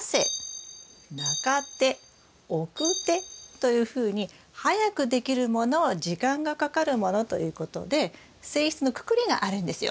というふうに早くできるもの時間がかかるものということで性質のくくりがあるんですよ。